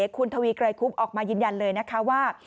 คุณทวีไกรคุบออกมายืนยันเลยนะคะว่า